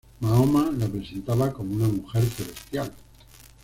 Mahoma la presentaba como una mujer celestial.